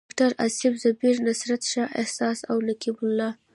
ډاکټر اصف زبیر، نصرت شاه احساس او نقیب الله.